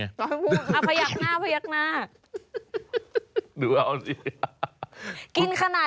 กินขนาดนี้คุณผู้ชม